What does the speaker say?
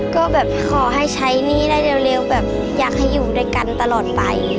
ก็แบบขอให้ใช้หนี้ได้เร็วแบบอยากให้อยู่ด้วยกันตลอดไป